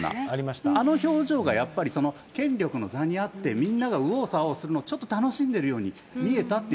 あの表情がやっぱり、権力の座にあって、みんなが右往左往するの、ちょっと楽しんでるように見えたっていう。